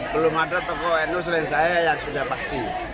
belum ada tokoh nu selain saya yang sudah pasti